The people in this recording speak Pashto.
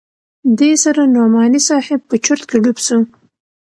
دې سره نعماني صاحب په چورت کښې ډوب سو.